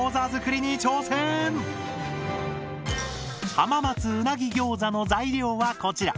「浜松うなぎギョーザ」の材料はこちら！